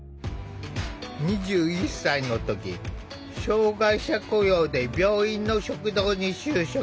２１歳の時障害者雇用で病院の食堂に就職。